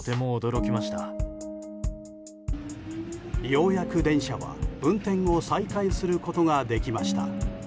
ようやく電車は、運転を再開することができました。